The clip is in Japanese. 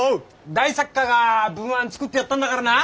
大作家が文案作ってやったんだからな！